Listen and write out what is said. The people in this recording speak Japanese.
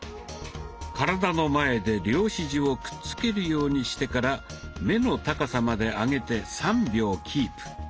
体の前で両ひじをくっつけるようにしてから目の高さまで上げて３秒キープ。